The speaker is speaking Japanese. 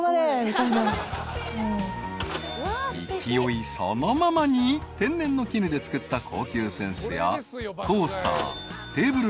［勢いそのままに天然の絹で作った高級扇子やコースター。